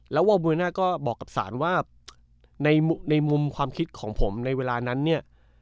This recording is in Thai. แล้ววาบูน่าก็บอกกับศาลว่าในมุมความคิดของผมในเวลานั้นเนี่ย